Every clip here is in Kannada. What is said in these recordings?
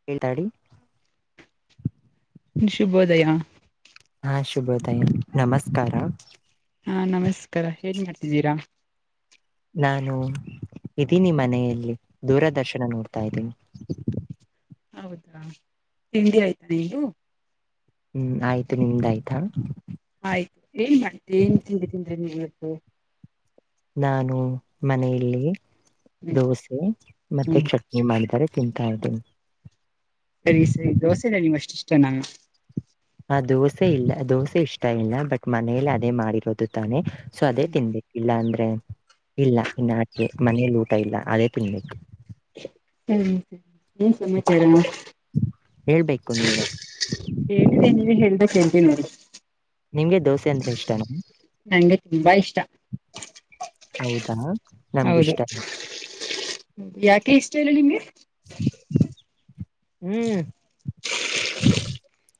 [unintelligible] ಶುಭೋದಯಾ ಹಾ ಶುಭೋದಯ ನಮಸ್ಕಾರ ಹಾ ನಮಸ್ಕಾರ ಏನ್ ಮಾಡ್ತಿದ್ದೀರಾ ನಾನು ಇದೀನಿ ಮನೆಯಲ್ಲಿ ದೂರದರ್ಶನ ನೋಡ್ತಾ ಇದ್ದೀನಿ ಹೌದಾ ತಿಂಡಿ ಆಯ್ತಾ ನೀಗ ಹ್ಮ್ ಆಯ್ತು ನಿಮ್ದಾಯ್ತಾ ಆಯ್ತು ಏನ್ ಮಾಡ್ತ ಏನ್ ತಿಂಡಿ ತಿಂದ್ರಿ ನೀವು ಇವತ್ತು ನಾನು ಮನೆಯಲ್ಲಿ ಹ್ಮ್ ದೋಸೆ ಮತ್ತೆ ಹ್ಮ್ ಚಟ್ನಿ ಏ ಮಾಡಿದ್ದಾರೆ ತಿಂತ ಇದೇ ಸರಿ ಸರಿ ದೋಸೆಲ್ಲ ನಿಮ್ ಅಷ್ಟು ಇಷ್ಟ ನಾ ಹ ದೋಸೆ ಇಲ್ಲ ದೋಸೆ ಇಷ್ಟ ಇಲ್ಲ ಬಟ್ ಮನೇಲಿ ಅದೇ ಮಾಡಿರೋದು ತಾನೆ ಸೊ ಅದೇ ತಿನ್ಬೇಕು ಇಲ್ಲ ಅಂದ್ರೆ ಇಲ್ಲ ಇನ್ನು ಆಕೆ ಮನೇಲಿ ಊಟ ಇಲ್ಲ ಅದೇ ತಿನ್ಬೇಕು ಹ್ಮ ಸರಿ ಏನ್ ಸಮಾಚಾರ ಹೇಳ್ಬೇಕು ನೀವೇ ಹೇಳಿದೆ ನೀವ ಹೇಳ್ದ ಹೇಳ್ತೀನಿ ನಡಿ ನಿಮ್ಗೆ ದೋಸೆ ಅಂದ್ರೆ ಇಷ್ಟಣ್ಣಾ ನಂಗೆ ತುಂಬಾ ಇಷ್ಟಾ ಹೌದಾ ಹೌದು ನಮ್ಗಿಷ್ಟ ಯಾಕೆ ಇಷ್ಟ ಇಲ್ಲ ನಿಮ್ಗೆ ಹ್ಮ್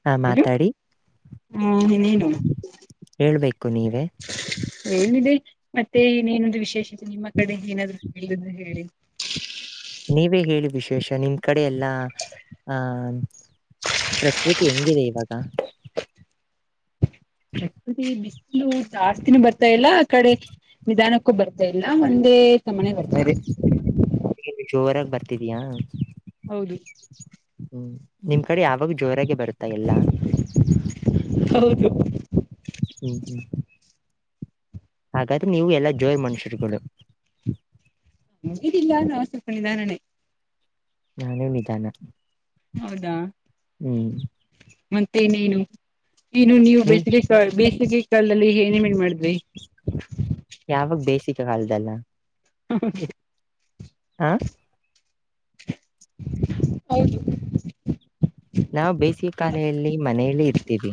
ಹಾ ಏನು ಮಾತಾಡಿ ಹಾ ಇನ್ನೇನು ಹೇಳ್ಬೇಕು ನೀವೇ ಏನಿದೆ ಮತ್ತೆ ನೇನಾದ್ರೂ ವಿಶೇಷತೆ ನಿಮ್ಮ ಕಡೆ ಏನಾದ್ರು ಹೇಳುದು ಹೇಳಿ ನೀವೇ ಹೇಳಿ ವಿಶೇಷ ನಿಮ ಕಡೆ ಎಲ್ಲಾ ಆಹ ಪ್ರಕೃತಿ ಹೆಂಗಿದೆ ಇವಾಗ ಬಿಸಿಲು ಜಾಸ್ತಿನ ಬರ್ತಾ ಇಲ್ಲ ಆ ಕಡೆ ನಿಧಾನ ಬರ್ತಾ ಇಲ್ಲ ಒಂದೇ ಸುಮ್ಮನೆ ಬರ್ತಾ ಇದೆ ಜೋರಾಗಿ ಬರ್ತಿದಯಾ ಹೌದು ಹ್ಮ್ ನಿಮ್ ಕಡೆ ಯಾವಾಗ ಜೋರಾಗ ಬರುತ್ತಾ ಎಲ್ಲಾ ಹೌದು ಹ್ಮ ಹ್ಮ್ ಹಾಗಾದ್ರೆ ನೀವು ಎಲ್ಲಾ ಜೋಯ ಮನುಷ್ಯರುಗಳು ಇಲ್ಲ ಅನ ಆಸೆಕಿದ್ದ ನಾನೆ ನಾನೇ ನಿಧನ. ಹೌದಾ ಹ್ಮ್ ಮತ್ತೆ ಇನೇನು ನೀನು ನೀವು ನೀ ಬೇಸಿಗೆ ಸ ಬೇಸಿಗೆ ಕಾಲದಲ್ಲಿ ಏನೇಮೇನ್ ಮಾಡಿದ್ರಿ. ಯಾವಾಗ ಬೇಸಿಕ ಕಾಲದಲ್ಲ. [inaudible] ಹಾ ಹೌದು. ನಾವು ಬೇಸಿಗೆ ಕಾಲೆಯಲ್ಲಿ ಮನೆಯಲ್ಲಿ ಇರ್ತೀವಿ.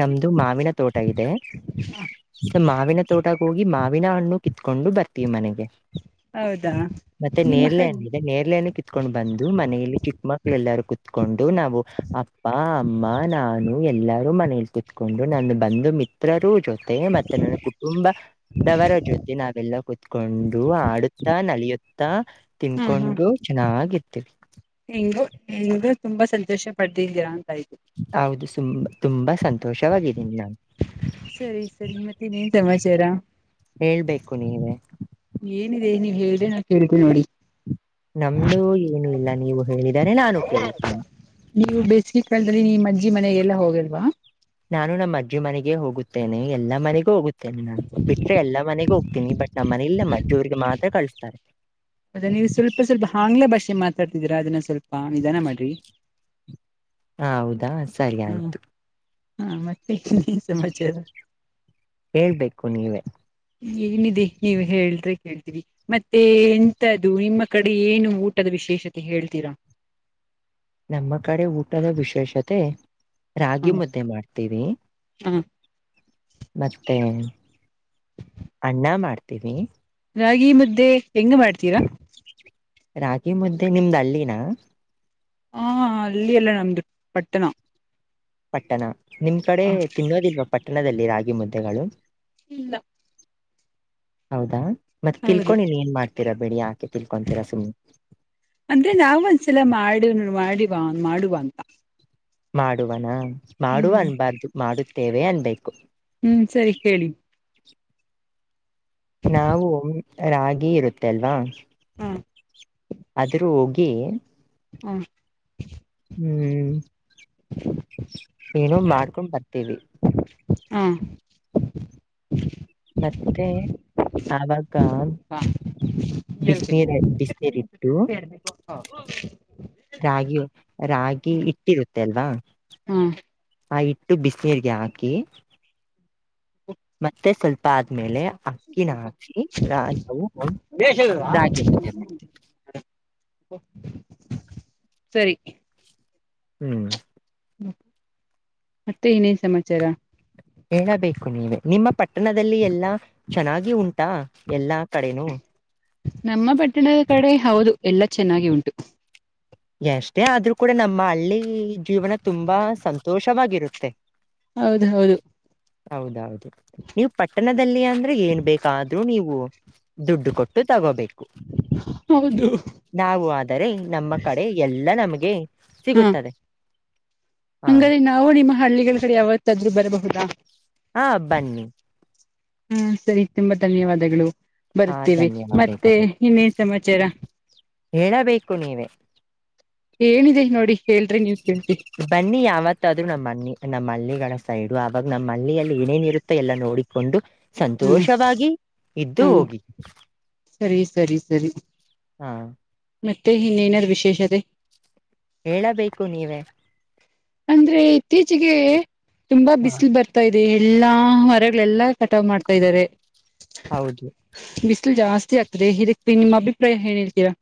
ನಮ್ದು ಮಾವಿನ ತೋಟ ಇದೆ. ಮಾವಿನ ತೋಟಕ್ಕೇ ಹೋಗಿ ಮಾವಿನ ಹಣ್ಣು ಕಿತ್ಕೊಂಡು ಬರ್ತೀವಿ ಮನೆಗೆ. ಹೌದಾ ಮತ್ತೆ ನಿಮ್ಮ ನೇರಳೆ ಹಜ್ ಹಣ್ಣು ಇದೆ ನೇರಳೆ ಹಣ್ಣು ಕಿತ್ಕೊಂಡು ಕಿತ್ಕೊಂಡ್ ಬಂದು ಮನೆಯಲ್ಲಿ ಚಿಕ್ಕ ಮಕ್ಳು ಎಲ್ಲಾರೂ ಕುೂತ್ಕೊಂಡು ನಾವು ಅಪ್ಪಾ. ಅಮ್ಮ ನಾನು ಎಲ್ಲಾರೂ ಮನೇಲಿ ಕೂತ್ಕೊಂಡು ನನ್ನ ಬಂದು ಮಿತ್ರರು ಜೊತೆ. ಮತ್ತೆ ನನ್ನ ಕುಟುಂಬ ದವರ ಜೊತೆ ನಾವೆಲ್ಲ ಕುೂತ್ಕೊಂಡು ಆಡುತ್ತ ನಲಿಯುತ್ತಾ. ತಿನ್ಕೊಂಡು ಚೆನ್ನಾಗಿರ್ತಿವಿ. ಹಿಂಗು ಹಿಂಗು ತುಂಬಾ ಸಂತೋಷಪಡ್ದಿದ್ದೀರಾ ಅಂತ ಆಯ್ತು. ಹೌದು ತುಂಬಾ ಸಂತೋಷವಾಗಿದ್ದೀನಿ ನಾನು. ಸರಿ ಸರಿ ಮತ್ತೆ ಇನ್ನೇನ್ ಸಮಾಚಾರ. ಹೇಳ್ಬೇಕು ನೀವೇ. ಏನಿದೆ ನೀವ್ ಹೇಳಿ ನಾ ಕೇಳ್ತವಿ ನೋಡಿ. ನಮ್ದು ಏನು ಇಲ್ಲ ನೀವು ಹೇಳಿದರೆ ನಾನು ಕೇಳುತ್ತೇನೆ. ನೀವು ಬೇಸಿಗೆ ಕಾಲದಲ್ಲಿ ನೀಮ್ಮ ಅಜ್ಜಿ ಮನೆಗೆಲ್ಲಾ ಹೋಗಿಲ್ವಾ. ನಾನು ನಮ್ಮ ಅಜ್ಜಿ ಮನೆಗೆ ಹೋಗುತ್ತೇನೆ ಎಲ್ಲಾ ಮನೆಗೂ ಹೋಗುತ್ತೇನೆ ನಾನು ಬಿಟ್ರೆ ಎಲ್ಲಾ ಮನೆಗೂ ಹೋಗ್ತೀನಿ ಬಟ್. ನಮ್ಮನೇಲಿ ನಮ್ಮ ಅಜ್ಜಿ ಊರಿಗೆ ಮಾತ್ರ ಕಳಿಸ್ತಾರೆ ಮತ್ತೆ ನೀವು ಸ್ವಲ್ಪ ಸ್ವಲ್ಪ ಆಂಗ್ಲೆ ಭಾಷೆ ಮಾತಾಡ್ತಿದೀರಾ ಅದನ್ನ ಸ್ವಲ್ಪ ನಿದನ ಮಾಡ್ರಿ. ಹ ಹೌದಾ ಸರಿ ಹ್ಮ ಆಯ್ತು ಹಾ ಮತ್ತೆ ಸಮಾಚಾರ. ಹೇಳ್ಬೇಕು ನೀವೇ ಏನಿದೆ ನೀವ್ ಹೇಳಿಲ್ರಿ ಕೇಳ್ತೀವಿ. ಮತ್ತೆ ಎಂತದ್ದು ನಿಮ್ಮ ಕಡೆ ಏನು ಊಟದ ವಿಶೇಷತೆ ಹೇಳ್ತೀರಾ. ನಮ್ಮ ಕಡೆ ಊಟದ ವಿಶೇಷತೆ ರಾಗಿ ಮುದ್ದೆ ಮಾಡ್ತೀವಿ. ಹಾ ಮತ್ತೆ ಅನ್ನ ಮಾಡ್ತೀವಿ. ರಾಗಿ ಮುದ್ದೆ ಹೆಂಗ್ ಮಾಡ್ತೀರಾ. ರಾಗಿ ಮುದ್ದೆ ನಿಮ್ದ್ ಹಳ್ಳಿನಾ. ಹಾ ಹಳ್ಳಿ ಅಲ್ಲ ನಮ್ದು ಪಟ್ಟಣ. ಪಟ್ಟಣ ನಿಮ್ ಕಡೆ ತಿನ್ನೋದಿಲ್ವಾ ಪಟ್ಟಣದಲ್ಲಿ ರಾಗಿ ಮುದ್ದೆಗಳು ಇಲ್ಲ ಹೌದಾ ಮತ್ತೆ ಹೌದು ತಿಳ್ಕೊಂಡ ನೀನ್ ಏನ್ ಮಾಡ್ತಿ. ತೀರ ಬಿಡಿ ಯಾಕೆ ತಿಳ್ಕೊಂತೀರಾ ಸುಮ್ನೆ. ಅಂದ್ರೆ ನಾವವು ಒಂದ್ಸಲ ಮಾಡ ಮಾಡಿವ ಮಾಡುವಾ ಅಂತ. ಮಾಡುವನಾ ಮಾಡುವ ಹ್ಮ್ ಅನ್ಬಾರ್ದು ಮಾಡುತ್ತೇವೆ ಅನ್ಬೇಕು. ಹ್ಮ್ ಸರಿ ಹೇಳಿ. ನಾವು ರಾಗಿ ಇರುತ್ತೆ ಅಲ್ವಾ. ಹಾಂ ಅದರೂ ಹೋಗಿ ಹ್ಮ ಹ್ಮ್ ಏನೋ ಮಾಡ್ಕೊಂಡ್ ಬರ್ತೀವಿ. ಹಾ ಮತ್ತೆ ಆವಾಗ. ಹ ಹೇಳ್ತೀನಿ ಬಿಸಿನೀರ ಬಿಸಿನೀರಿಟ್ಟು. ರಾಗಿ ರಾಗಿ ಹಿಟ್ಟಿರುತ್ತೆ ಅಲ್ವಾ. ಹಾ ಆ ಹಿಟ್ಟು ಬಿಸಿನೀರ್ಗೆ ಹಾಕಿ. ಮತ್ತೆ ಸ್ವಲ್ಪ್ ಬಾದ್ಮೇಲೆ ಅಕ್ಕಿನ ಹಾಕಿ ನಾವು ರಾಗಿ ಮುದ್ದೆ ಮಾಡ್ತೀವಿ. ಸರಿ. ಹ್ಮ್ ಮತ್ತೆ ಇನ್ನೇನ್ ಸಮಾಚಾರ? ಹೇಳಬೇಕು ನೀವೆ, ನಿಮ್ಮ ಪಟ್ಟಣದಲ್ಲಿ ಎಲ್ಲಾ ಚೆನ್ನಾಗಿ ಉಂಟಾ ಎಲ್ಲಾ ಕಡೆನೂ. ನಮ್ಮ ಪಟ್ಟಣದ ಕಡೆ ಹೌದು ಎಲ್ಲಾ ಚೆನ್ನಾಗಿ ಉಂಟು. ಎಷ್ಟೇ ಆದ್ರೂ ಕೂಡ ನಮ್ಮ ಹಳ್ಳಿ ಜೀವನ ತುಂಬಾ ಸಂತೋಷವಾಗಿರುತ್ತೆ. ಹೌದ್ ಹೌದು. ಹೌದೌದು ನೀವು ಪಟ್ಟಣದಲ್ಲಿ ಅಂದ್ರೆ ಏನ್ ಬೇಕಾದ್ರೂ ನೀವು ದುಡ್ಡು ಕೊಟ್ಟು ತಗೋಬೇಕು, ಹೌದು ನಾವು ಆದರೆ ನಮ್ಮ. ಕಡೆ ಎಲ್ಲಾ ನಮ್ಗೆ ಸಿಗುತ್ತದೆ. ಹಾ ಹಂಗಾರೆ ನಾವು ನಿಮ್ಮ ಹಳ್ಳಿಗಳ ಕಡೆ ಯಾವತ್ತಾದ್ರೂ ಬರಬಹುದಾ? ಹಾ ಬನ್ನಿ. ಹ್ಮ ಸರಿ ತುಂಬಾ ಧನ್ಯವಾದಗಳು. ಹಾ ಬರ್ತೀವಿ ಮತ್ತೆ ಧನ್ಯವಾದಗಳು ಇನ್ನೇನ್ ಸಮಾಚಾರ? ಹೇಳಬೇಕು ನೀವೇ ಏನಿದೆ ನೋಡಿ ಹೇಳ್ರಿ ನೀವ್ ಕೇಳ್ತಿನಿ. ಬನ್ನಿ ಯಾವತ್ತಾದ್ರೂ ನಮ್ಮನಿ ನಮ್ಮ್ ಹಳ್ಳಿಗಳ ಸೈಡು ಅವಾಗ್ ನಮ್ಮಳ್ಳಿಯಲ್ಲಿ ಏನೇನ ಇರುತ್ತ ಎಲ್ಲ ನೋಡಿ. ಕೊಂಡು ಹ್ಮ್ ಸಂತೋಷವಾಗಿ ಇದ್ದು ಹ್ಮ್ ಹೋಗಿ. ಸರಿ ಸರಿ ಸರಿ ಹಾ ಮತ್ತೆ ಇನ್ನೇನಾದೂ ವಿಶೇಷತೆ? ಹೇಳಬೇಕು ನೀವೇ. ಅಂದ್ರೆ ಇತ್ತೀಚಿಗೆ ತುಂಬಾ ಹ ಬಿಸ್ಲು ಬರ್ತ ತ ಇದೆ ಎಲ್ಲಾ ಮರಗಳೆಲ್ಲಾ ಕಟಾವ್ ಮಾಡ್ತಾ ಇದ್ದಾರೆ. ಹೌದು ಬಿಸ್ಲು ಜಾಸ್ತಿ ಆಗ್ತಿದೆ ಇದಕ್ಕೆ ನಿಮ್ಮ್ ಅಭಿಪ್ರಾಯ ಏನೇಳ್ರ್ತೀರಾ?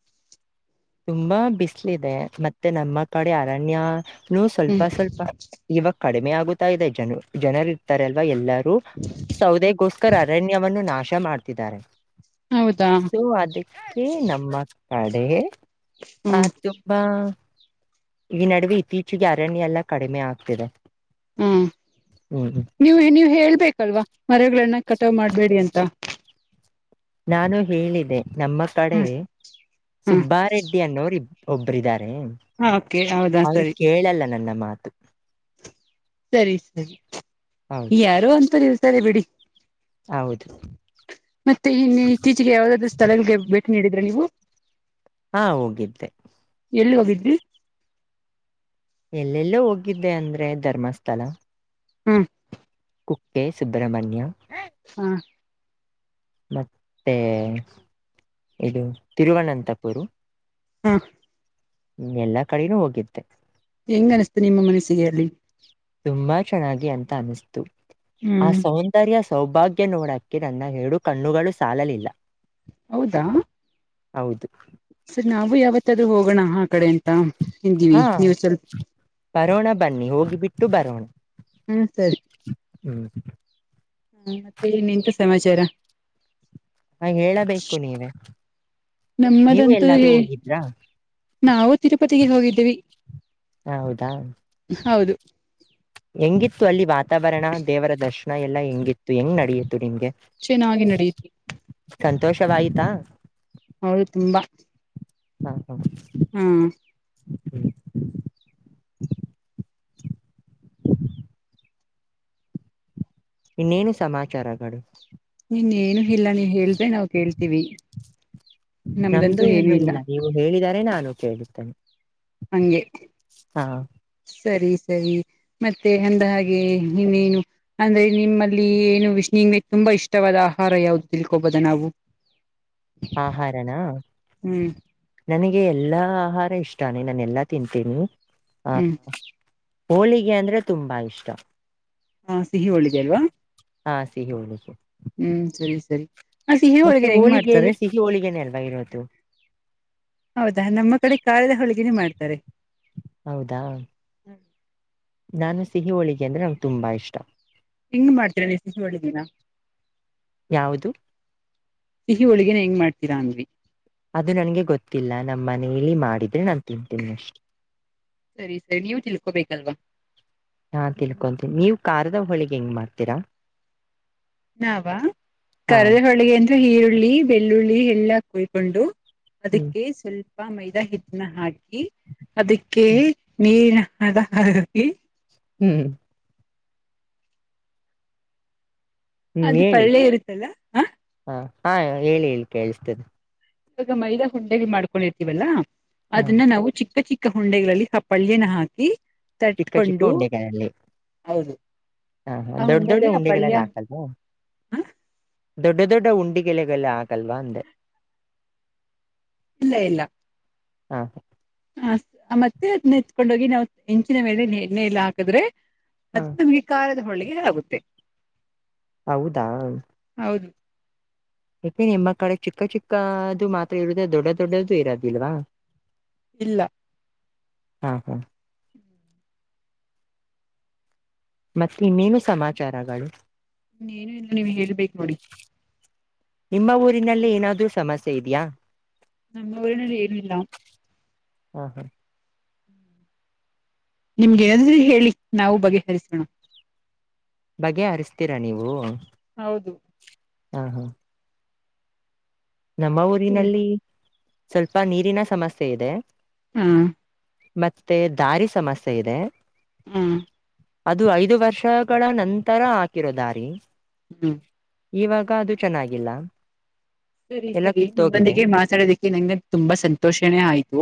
ತುಂಬಾ ಬಿಸ್ಲ ಇದೆ ಮತ್ತೆ ನಮ್ಮ ಕಡೆ ಅರಣ್ಯನು ಸ್ವಲ್ಪ ಹ್ಮ್ ಸ್ವಲ್ಪ್ ಪ ಇವಾಗ ಕಡಿಮೆ ಆಗುತಾ ಇದೆ ಜನ ಜನರು ಇರ್ತಾರೆ ಅಲ್ವಾ ಎಲ್ಲಾರ್ ರೂ ಸೌದೆಗೋಸ್ಕರ್ ಅರಣ್ಯವನ್ನು ನಾಶ ಮಾಡ್ತಿದ್ದಾರೆ. ಹೌದಾ ಸೊ ಅದಕ್ಕೆ ನಮ್ಮ ಕಡೆ ಹ್ಮ್ ಆತುಪಾ. ಈ ನಡುವೆ ಇತ್ತೀಚೆಗೆ ಅರಣ್ಯ ಎಲ್ಲ ಕಡಿಮೆ ಆಗ್ತಿದೆ ಹ್ಮ್ ಹ್ಮ್. ನೀವು ನೀವ್ ಹೇಳ್ಬೇಕಲ್ವಾ ಮರಗಳನ್ನ ಕಟಾವ್ ಮಾಡ್ಬೇಡಿ ಅಂತ. ನಾನು ಹೇಳಿದೆ ನಮ್ಮ ಕಡೆ ಹ್ಮ್ ಹ್ಮ್ ಸುಬ್ಬಾರೆಡ್ಡಿ ಅನ್ನೋರು ಇ [inaudible] ಒಬ್ಬರ ಇದಾರೇ ಓಕೆ ಹೌದಾ ಅವರು ಸರಿ ಕೇಳಲ್ಲ ನನ್ನ ಮಾತು. [inaudible] ಸರಿ ಸರಿ ಹೌದು ಯಾರೋ ಅಂತೂರು ಇರ್ತಾರೆ ಬಿಡಿ. [inaudible] ಹೌದ? [inaudible] ಮತ್ತೆ ಇನ್ ಇತ್ತೀಚೆಗೆ ಯಾವವುದಾದ್ರೂ ಸ್ಥಳಗಳಗೆ ಭೇಟಿ ನೀಡಿದ್ರೆ ನೀವು? [inaudible] ಹಾ ಹೋಗಿದ್ದೆ. [inaudible] ಎಲ್ಲಿ ಹೋಗಿದ್ದೀ? [inaudible] ಎಲ್ಲೆಲ್ಲೋ ಹೋಗಿದ್ದೆ ಅಂದ್ರೆ ಧರ್ಮಸ್ಥಳ [inaudible] ಹೂ [inaudible] ಕುಕ್ಕೆ ಸುಬ್ರಹಮಣ್ಯ. [inaudible] ಹಾ [inaudible] ಮತ್ತೆ ಇದು ತಿರುವನಂತಪುರು. [inaudible] ಹಾ [inaudible] ಎಲ್ಲಾ ಕಡೆನೂ ಹೋಗಿದ್ದೆ. [inaudible] ಹೆಂಗ ಅನ್ಸತೂ ನಿಮ್ಮ ಮನಸ್ಸಿಗೆ ಅಲ್ಲಿ. [inaudible] ತುಂಬಾ ಚೆನ್ನಾಗಿ ಅಂತ ಅನಿಸ್ತು ಆ ಹ್ಮ್ ಸೌ [inaudible] ಸೌಂದರ್ಯ ಸೌಭಾಗ್ಯ ನೋಡಕ್ಕೆ ನನ್ನ ಎರಡು ಕಣ್ಣುಗಳು ಸಾಲಲಿಲ್ಲ. [inaudible] ಹೌದಾ? [inaudible] ಹೌದು? [inaudible] ಸರ್ ನಾವು ಯಾವತ್ತಾದ್ರೂ ಹೋಗೋಣ ಆ ಕಡೆ ಅಂತ ಎಂದಿವಿ ಹಾ ನೀವು ಸ್ವಲ್ಪ [inaudible] ಬರೋಣ ಬನ್ನಿ ಹೋಗಿಬಿಟ್ಟು ಬರೋಣ. [inaudible] ಹೂ ಸರಿ. [inaudible] ಹೂ [inaudible] ಮತ್ತೆ ಇನ್ ಎಂತ ಸಮಾಚಾರ? [inaudible] ಹಾ ಹೇಳಬೇಕು ನೀವೇ? [inaudible] ನೀವು ನಮ್ಮದಂತೂ ಎಲ್ಲಾದ್ರೂ ಏ ಹೋಗಿದ್ರಾ ನಾವು ತಿರುಪತಿಗೆ ಹೋಗಿದ್ದೀವಿ. [inaudible] ಹ ಹೌದಾ? [inaudible] ಹೌದು? [inaudible] ಹೆಂಗಿತ್ತು ಅಲ್ಲಿ ವಾತಾವರಣ ದೇವರ ದರ್ಶನ ಎಲ್ಲಾ ಹೆಂಗಿತ್ತು ಹೆಂಗ್ ನಡೆಯತು ನಿಮ್ಗೆ. [inaudible] ಚೆನ್ನಾಗಿ ನಡೆಯ [inaudible] ಸಂತೋಷವಾಯ್ತಾ? [inaudible] ಹೌದು ತುಂಬಾ? [inaudible] ಹ ಹಾ [inaudible] [unintelligible] ಹ [inaudible] ಇನ್ನೇನು ಸಮಾಚಾರಗಳು? [inaudible] ಇನ್ ಏನು ಹಿಲ್ಲ ನೀ ಹೇಳ್ದ್ರೆ ನಾವು ಕೇಳ್ತೀವಿ. [inaudible] ನಮ್ದು ಏನು ಇಲ್ಲ ನೀವು ಹೇಳಿದರೆ ನಾನು ಕೇಳುತ್ತೇನೆ. [inaudible] ಹಂಗೆ? [inaudible] ಹಾ [inaudible] ಸರಿ ಸರಿ ಮತ್ತೆ ಹಂದ ಹಾಗೆ ನೀವ್ ಏನು? [inaudible] ಅಂದ್ರೆ ನಿಮ್ಮಲ್ಲಿ ಏನು ವಿಷ್ಣು ನಿಮಗ ತುಂಬಾ ಇಷ್ಟವಾದ ಆಹಾರ ಯಾವ್ದು ತಿಳ್ಕೋಬೋದ ನಾವು? [inaudible] ಆಹಾರ ನಾ? ಹ್ಮ್ [inaudible] ನನಗೆ ಎಲ್ಲಾ ಆಹಾರ ಇಷ್ಟಾನೆ ನಾನ ಎಲ್ಲಾ ತಿಂತೀನಿ ಹಾ ಹ್ಮ್ [inaudible] ಹೋಳಿಗೆ ಅಂದ್ರೆ ತುಂಬಾ ಇಷ್ಟ. [inaudible] ಹಾ ಸಿಹಿ ಒಳ್ಳಿದೆ ಅಲ್ವಾ? [inaudible] ಹಾ ಸಿಹಿ ಉಳ್ಳ ಹ್ಮ್ ಸರಿ ಸರಿ ಆ ಸಿಹಿ ಮತ್ತೆ ಹೋಳಿಗೆನ ಹೆಂಗ್ ಮಾಡ್ತಾರೆ ಹೋಳಿಗೆಯಲ್ಲಿ ಸಿಹಿ ಹೋಳಿಗೆನ ಅಲ್ವ ಇರೋದು ಹೌದಾ ನಮ್ಮ ಕಡೆ ಕಾರದ ಹೋಳಗಿನೇ ಮಾಡ್ತಾರೆ ಹೌದಾ ನಾನು ಸಿಹಿ ಹೋಳಿಗೆ ಅಂದ್ರೆ ನಂಗೆ ತುಂಬಾ ಇಷ್ಟ ಹಂಗ್ ಮಾಡ್ತರ ಸಿಹಿ ಹೋಳಿಗೆನ ಯಾವುದು ಸಿಹ ಹೋಳಗೇನ್ ಹೆಂಗ ಮಾಡ್ತೀರಾ ಅಂದ್ವಿ ಅದು ನನ್ಗೆ ಗೊತ್ತಿಲ್ಲ ನಮ್ಮ ಮನೇಲಿ ಮಾಡಿದ್ರೆ ನಾನ್ ತಿಂತೇನಿ ಅಷ್ಟೆ ಸರಿ ಸರಿ ನೀವು ತಿಳ್ಕೋಬೇಕಲ್ವಾ ನಾ ತಿಳ್ಕೊಂತೀನಿ ನೀವು ಕಾರದ ಹೊಳಿಗೆ ಹೆಂಗ್ ಮಾಡ್ತೀರಾ ನಾವ ಹಾ ಕಾರದ ಹೋಳಗೆ ಅಂದ್ರೆ ಈರುಳ್ಳಿ ಬೆಳ್ಳುಳ್ಳಿ ಎಲ್ಲಾ ಕುಯ್ಕೊಂಡು ಹ್ಮ್ ಅದಕ್ಕೆ ಸ್ವಲ್ಪ ಪ್ಪ ಮೈದಾ ಹಿಟ್ಟನ ಹಾಕಿ ಅದಕ್ಕೆ ಹ್ಮ್ ನೀರಿನ ಹಾಕಿ ಹ್ಮ್ ಹ್ಮ್ ಅದು ಹೇಳಿ ಪಳ್ಳೆ ಇರುತ್ತಲ್ಲ ಹ ಹ ಹಾ ಹೇಳಿ ಹೇಳಿ ಕೇಳ್ತೇನೆ ಇವಾಗ ಮೈದಾ ಹುಂಡೆ ಮಾಡ್ಕೊಂಡಿರ್ತೀವಲ್ಲಾ ಹಾ ಅದನ್ನ ನಾವು ಚಿಕ್ಕ ಚಿಕ್ಕ ಚಿಕ್ಕ ಉಂಡೆಗಳಲ್ಲಿ ಸಪಲ್ಯನನ ಹಾಕಿ ಚಿಕ್ಕ ಚಿಕ್ಕ ತಟ್ಕೊಂಡು ಉಂಡೆಗಲ್ಲಿ ಹೌದು ಹ ಹ ಆ ದೊಡ್ಡ ದೊಡ್ಡ ಉಂಡೆಯಲ್ಲಿ ಆ ಉಂಡೆಗೆಲ್ಲ ಪಲ್ಯ ದಾತಲ್ವಾ ಹ ದೊಡ್ಡ ದೊಡ್ಡ ಉಂಡಿ ಕೆಲ್ಲ ಆಗಲ್ವಾ ಅಂದೆ [unintelligible] ಇಲ್ಲ ಇಲ್ಲ ಹಾ ಹ ಹ ಮತ್ತೆ ಅದ್ ನೆತ್ಕೊಂಡ ಹೋಗಿ ನಾವ್ ಹೆಂಚಿನ ಮೇಲೆ ಎಣ್ಣೆ ಎಲ್ಲ ಹಾಕಿದ್ರೆ ಹ ಅದು ನಮಗೆ ಕಾರದ ಹೊಳಿಗೆ ಆಗುತ್ತೆ ಹೌದಾ ಹೌದು ನಿಮ್ಮ ಕಡೆ ಚಿಕ್ಕ ಚಿಕ್ಕದು ಮಾತ್ರ ಇರುದ ದೊಡ್ಡ ದೊಡ್ಡದು ಇರೋದಿಲ್ವಾ ಇಲ್ಲಾ ಹಾ ಹಾ ಹ್ಮ್ ಮತ್ತೆ ಇನ್ನೇನು ಸಮಾಚಾರಗಳು ನಿನು ಇನ್ನು ನೀವ್ ಹೇಳ್ಬೇಕ್ ನೋಡಿ ನಿಮ್ಮ ಊರಿನಲ್ಲಿ ಏನಾದ್ರೂ ಸಮಸ್ಯೆ ಇದೆಯಾ ನಮ್ಮ್ಊರನಲ್ಲಿ ಏನಿಲ್ಲಾ ಹ್ಮ ಹಾ ನಿಮ್ಗೆ ಎದ್ರೂ ಹೇಳಿ ನಾವು ಬಗೆಹರಿಸೋಣ ಬಗೆ ಹರಿಸ್ತರಾ ನೀವು ಹೌದು ಹಾ ಹಾ ನಮ್ಮ ಊರಿನಲ್ಲಿ ಸ್ವಲ್ಪ ನೀರಿನ ಸಮಸ್ಯೆ ಇದೆ ಹ್ಮ ಮತ್ತೆ ದಾರಿ ಸಮಸ್ಯೆ ಇದೆ ಹೂ ಅದು ಐದು ವರ್ಷಗಳ ನಂತರ ಹಾಕಿರೋ ದಾರಿ ಹ್ಮ್. ಈವಾಗ ಅದು ಚೆನ್ನಾಗಿಲ್ಲ. ಸರಿ ಎಲ್ಲ ಸರಿ ಕಿತ್ತೋಗಿದೆ ನಿಮೊಂದಿಗೆ ಮಾತಾಡದಿಕ್ಕೆ ನಂಗೆ ತುಂಬಾ ಸಂತೋಷನೇ ಆಯ್ತು.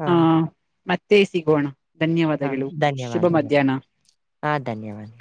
ಹಾಂ. ತ್ತೇ ಸಿಗೋಣ ಧನ್ಯವಾದಗಳು ಶುಭ ಧನ್ಯವಾದಗಳು ಮಧ್ಯಾಹ್ನ. ಹಾಂ ಧನ್ಯವಾದ.